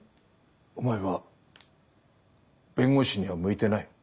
お前は弁護士には向いてない。